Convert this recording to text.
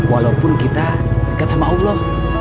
walaupun kita dekat sama allah